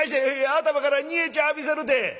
「頭から煮え茶浴びせるて」。